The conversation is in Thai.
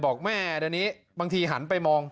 บอกแม่เดี๋ยวนี้บางทีหันไปมอง